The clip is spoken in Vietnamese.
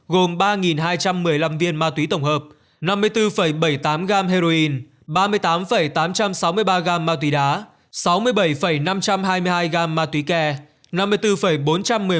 gồm ba hai trăm một mươi năm viên mạc túy tổng hợp năm mươi bốn bảy mươi tám gam heroin ba mươi tám tám trăm sáu mươi ba gam mạc túy đá sáu mươi bảy năm trăm hai mươi hai gam mạc túy ke năm mươi bốn bốn trăm một mươi một viên mạc túy đá